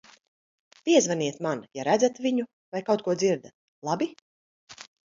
Piezvaniet man, ja redzat viņu vai kaut ko dzirdat, labi?